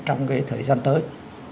trong cái thời gian tới